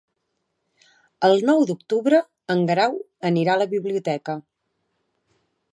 El nou d'octubre en Guerau anirà a la biblioteca.